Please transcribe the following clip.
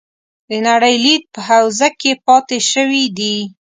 د نړۍ لید په حوزه کې پاتې شوي دي.